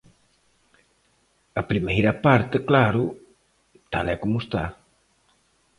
A primeira parte, claro, tal e como está.